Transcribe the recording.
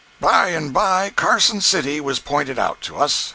158.jpg (17K) By and by Carson City was pointed out to us.